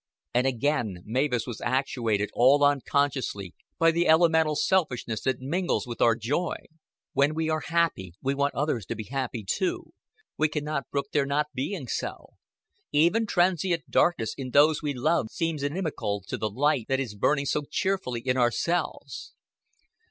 And again Mavis was actuated all unconsciously by the elemental selfishness that mingles with our joy. When we are happy we want others to be happy too, we can not brook their not being so; even transient darkness in those we love seems inimical to the light that is burning so cheerfully in ourselves.